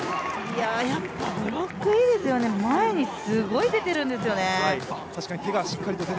やっぱブロックいいですよね、前にすごく出てるんですよね。